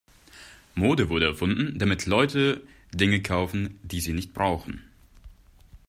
Mode wurde erfunden, damit Leute Dinge kaufen, die sie nicht brauchen.